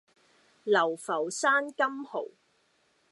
流浮山金蠔